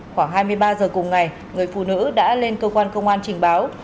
khoảng hai mươi ba h cùng ngày người phụ nữ đã lên cơ quan công an trình báo